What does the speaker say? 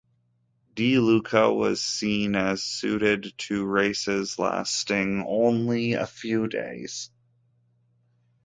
Di Luca was seen as suited to races lasting only a few days.